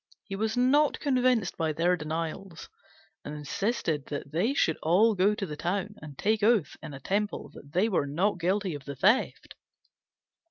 He was not convinced by their denials, and insisted that they should all go to the town and take oath in a temple that they were not guilty of the theft.